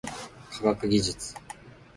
科学技術